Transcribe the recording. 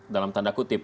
dengan dalam tanda kutip